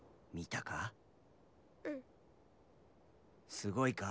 すごいか？